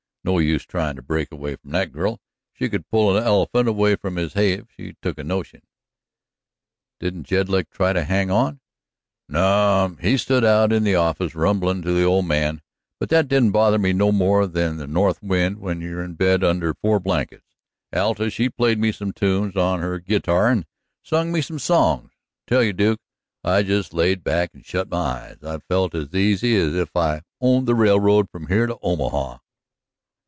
No use tryin' to break away from that girl; she could pull a elephant away from his hay if she took a notion." "Didn't Jedlick try to hang on?" "No, he stood out in the office rumblin' to the old man, but that didn't bother me no more than the north wind when you're in bed under four blankets. Alta she played me some tunes on her git tar and sung me some songs. I tell you, Duke, I just laid back and shut my eyes. I felt as easy as if I owned the railroad from here to Omaha."